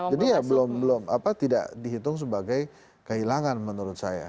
jadi ya belum belum tidak dihitung sebagai kehilangan menurut saya